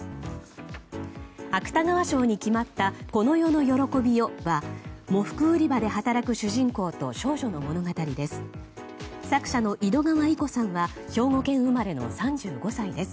芥川賞に決まった「この世の喜びよ」は喪服売り場で働く主人公と少女の物語です。